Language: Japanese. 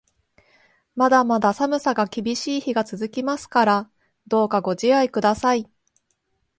まだまだ寒さが厳しい日が続きますから、どうかご自愛ください。